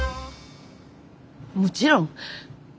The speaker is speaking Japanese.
もちろん。